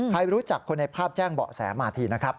ใครรู้จักคนในภาพแจ้งเบาะแสมาทีนะครับ